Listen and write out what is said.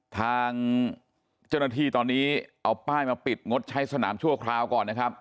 ทางเจ้าหน้าที่ตอนนี้เอาป้ายมาปิดงดใช้สนามชั่วคราวก่อนนะครับ